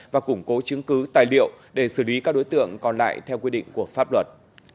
và củng cố chứng cứ tài liệu để xử lý các đối tượng còn lại theo quy định của pháp luật